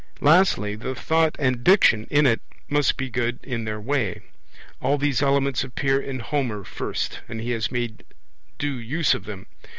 Lastly, the Thought and Diction in it must be good in their way. All these elements appear in Homer first; and he has made due use of them.